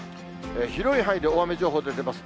広い範囲で大雨情報出てます。